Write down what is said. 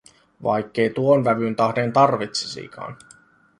Vaikkei tuon vävyn tähden tarvitsisikaan.